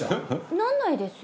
なんないですよ。